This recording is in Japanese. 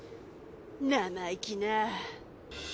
生意気な！